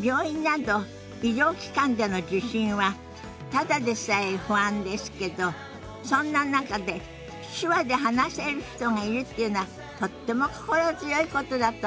病院など医療機関での受診はただでさえ不安ですけどそんな中で手話で話せる人がいるっていうのはとっても心強いことだと思います。